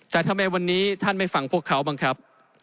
แต่ทำไมวันนี้ท่านไม่ฟังพวกเขาบ้างครับ